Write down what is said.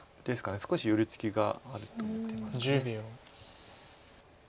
少し寄り付きがあると見てますか。